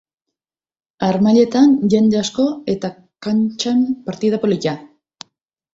Harmailetan jende asko eta kantxan partida polita.